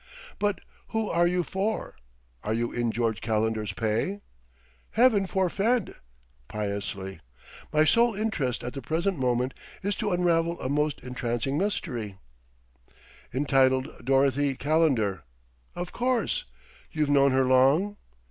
"But who are you for? Are you in George Calendar's pay?" "Heaven forfend!" piously. "My sole interest at the present moment is to unravel a most entrancing mystery " "Entitled 'Dorothy Calendar'! Of course. You've known her long?"